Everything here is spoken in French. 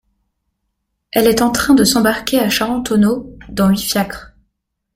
Elle est en train de s’embarquer à Charentonneau… dans huit fiacres…